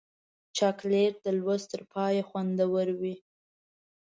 چاکلېټ د لوست تر پایه خوندور وي.